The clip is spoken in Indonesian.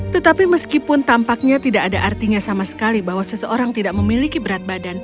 tetapi meskipun tampaknya tidak ada artinya sama sekali bahwa seseorang tidak memiliki berat badan